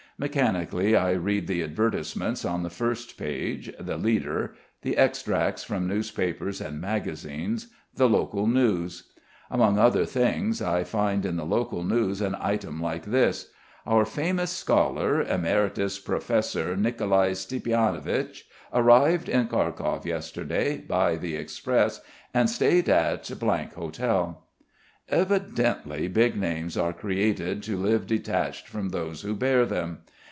Mechanically I read the advertisements on the first page, the leader, the extracts from newspapers and magazines, the local news ... Among other things I find in the local news an item like this: "Our famous scholar, emeritus professor Nicolai Stiepanovich arrived in Kharkov yesterday by the express, and stayed at hotel." Evidently big names are created to live detached from those who bear them.